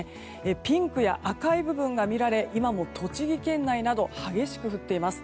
ピンクや赤い部分が見られ今も栃木県内など激しく降っています。